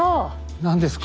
何ですか。